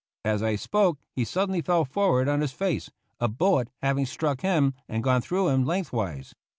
" As I spoke, he suddenly fell forward on his face, a bul let having struck him and gone through him length wise.